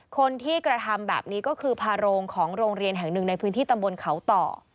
คนที่กระทำแบบนี้ก็คือพาโรงของโรงเรียนแห่งหนึ่งในพื้นที่ตำบลเขาต่อ